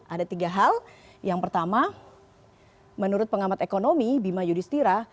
ada tiga hal yang pertama menurut pengamat ekonomi bima yudhistira